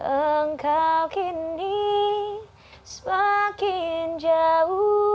engkau kini semakin jauh